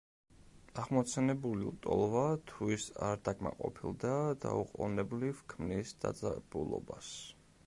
აღმოცენებული ლტოლვა, თუ ის არ დაკმაყოფილდა, დაუყონებლივ ქმნის დაძაბულობას.